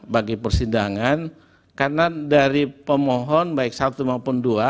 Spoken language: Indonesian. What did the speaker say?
bagi persidangan karena dari pemohon baik satu maupun dua